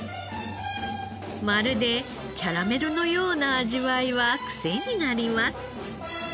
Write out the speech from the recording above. まるでキャラメルのような味わいはクセになります。